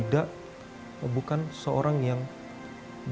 dan yang paling menyakitkan adalah berarti saya akan membawa stigma itu ke depan